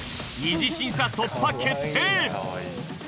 二次審査突破決定！